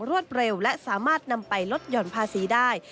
รวดเร็วและสามารถนำไปลดหย่อนภาษีได้